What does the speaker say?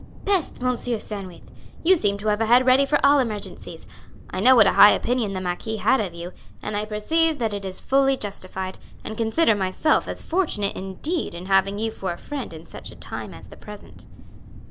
"Peste, Monsieur Sandwith! You seem to have a head ready for all emergencies. I know what a high opinion the marquis had of you, and I perceive that it is fully justified, and consider myself as fortunate indeed in having you for a friend in such a time as the present."